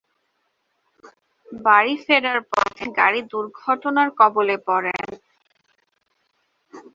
বাড়ী ফেরার পথে গাড়ী দূর্ঘটনার কবলে পড়েন।